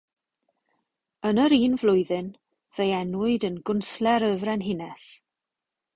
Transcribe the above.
Yn yr un flwyddyn, fe'i enwyd yn Gwnsler y Frenhines.